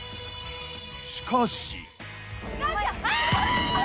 しかし。